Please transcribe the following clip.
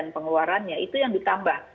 pengeluarannya itu yang ditambah